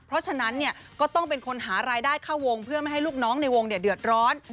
เพราะฉะนั้นก็ต้องเป็นคนหารายได้เข้าวงเพื่อไม่ให้ลูกน้องในวงเดือดร้อน